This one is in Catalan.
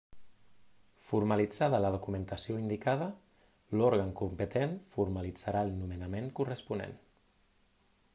Formalitzada la documentació indicada, l'òrgan competent formalitzarà el nomenament corresponent.